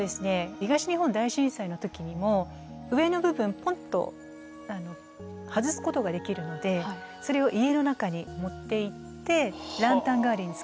東日本大震災の時にも上の部分ポンッと外すことができるのでそれを家の中に持っていってランタン代わりに使いました。